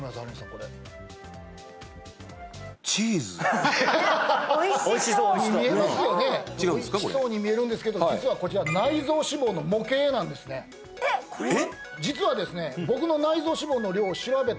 これおいしそうに見えるんですけど実はこちら内臓脂肪の模型なんですねえっこれ！？え！